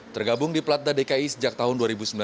tergabung di platda dki sejak tahun dua ribu sembilan belas